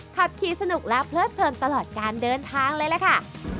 ขับขี่สนุกและเพลิดเพลินตลอดการเดินทางเลยล่ะค่ะ